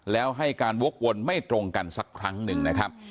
แล้วให้การโว๊ควนไม่ตรงกันสักครั้งหนึ่ง